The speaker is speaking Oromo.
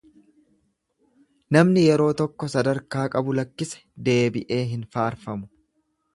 Namni yeroo tokko sadarkaa qabu lakkise deebi'ee hin faarfamu.